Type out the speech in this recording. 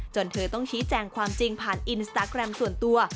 เธอต้องชี้แจงความจริงผ่านอินสตาแกรมส่วนตัว